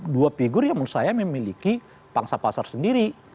dua figur yang menurut saya memiliki pangsa pasar sendiri